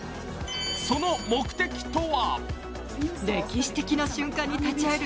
その目的とは？